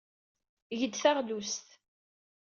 Eg-d taɣlust.